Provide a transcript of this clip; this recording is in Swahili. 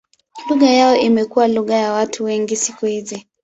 Lugha yao imekuwa lugha ya watu wengi siku hizi.